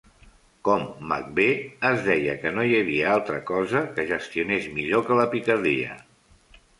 Com Macbeth, es deia que no hi havia altra cosa que gestionés millor que la picardia.